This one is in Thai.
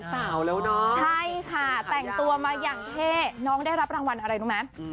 สาวแล้วเนาะใช่ค่ะแต่งตัวมาอย่างเท่น้องได้รับรางวัลอะไรรู้ไหม